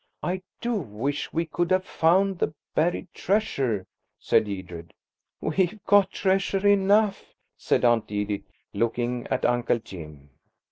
"I do wish we could have found the buried treasure," said Edred. "We've got treasure enough," said Aunt Edith, looking at Uncle Jim.